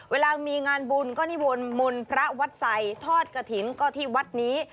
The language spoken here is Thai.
เวลามีงานบุญก็นิมนต์พระวัดใส่ทอดกระถิ่นก็ที่วัดนี้